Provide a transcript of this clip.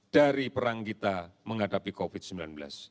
dari perang indonesia